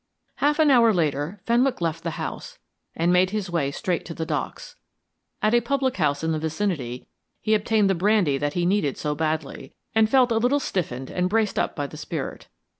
Half an hour later, Fenwick left the house and made his way straight to the Docks. At a public house in the vicinity he obtained the brandy that he needed so badly, and felt a little stiffened and braced up by the spirit.